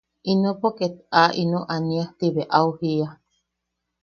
Inepo ket aa ino ania –ti bea au jiia.